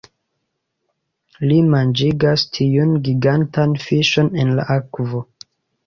Li manĝigas tiun gigantan fiŝon en la akvo